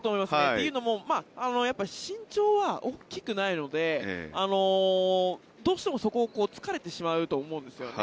というのも身長は大きくないのでどうしてもそこを突かれてしまうと思うんですね。